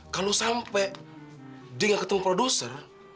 kalau sampai dia gak ketemu produser